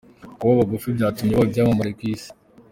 Kuba bagufi byatumye baba ibyamamare ku Isi